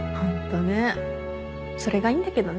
それがいいんだけどね。